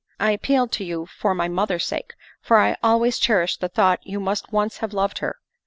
I appealed to you for my mother's sake, for I always cherished the thought you must once have loved her.